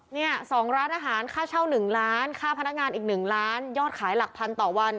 เนี่ย๒ร้านอาหารค่าเช่า๑ล้านค่าพนักงานอีก๑ล้านยอดขายหลักพันต่อวัน